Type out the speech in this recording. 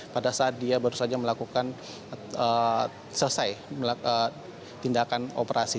pada saat dia baru saja melakukan selesai tindakan operasi